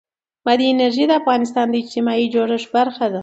بادي انرژي د افغانستان د اجتماعي جوړښت برخه ده.